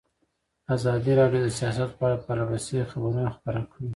ازادي راډیو د سیاست په اړه پرله پسې خبرونه خپاره کړي.